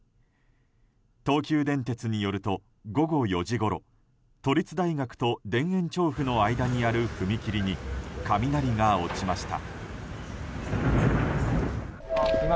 東急電鉄によると午後４時ごろ都立大学と田園調布の間にある踏切に雷が落ちました。